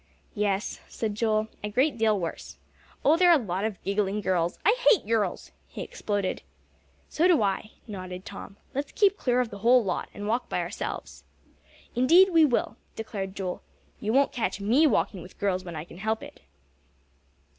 "Yes," said Joel, "a great deal worse. Oh, they're a lot of giggling girls; I hate girls!" he exploded. "So do I," nodded Tom. "Let's keep clear of the whole lot, and walk by ourselves." "Indeed, we will," declared Joel. "You won't catch me walking with girls when I can help it."